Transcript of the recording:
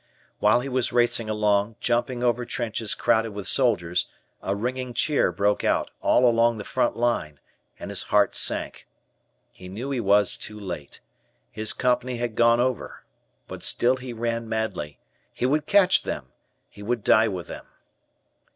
While he was racing along, jumping over trenches crowded with soldiers, a ringing cheer broke out all along the front line, and his heart sank. He knew he was too late. His Company had gone over. But still he ran madly. He would catch them. He would die with them.